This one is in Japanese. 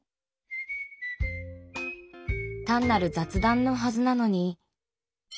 単なる雑談のはずなのに。